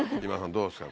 どうですか？